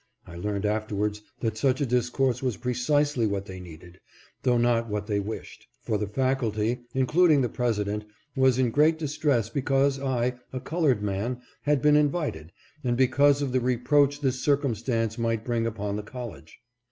(I learned afterwards that such a discourse was precisely what they needed, though not what they wished ; for the faculty, including the President, was in great distress because I, a colored man, had been invited, and because of the reproach this circumstance might bring upon the College.)